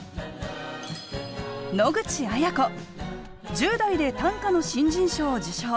１０代で短歌の新人賞を受賞。